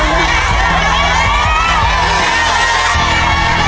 เย้นเย้นเย้นน้อง